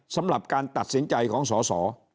สำหรับการตัดสินใจของสอสอ